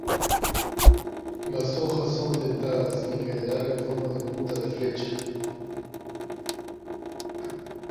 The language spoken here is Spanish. Las hojas son dentadas y en general en forma de punta de flecha.